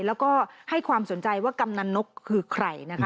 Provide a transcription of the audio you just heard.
แล้วก็ให้ความสนใจว่ากำนันนกคือใครนะคะ